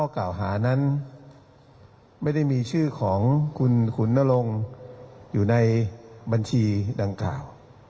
คือของคุณนรงอยู่ในบัญชีดังกล่าว